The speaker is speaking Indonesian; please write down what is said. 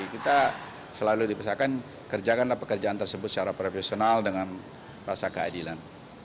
kita selalu dipesakan kerjakanlah pekerjaan tersebut secara profesional dengan rasa keadilan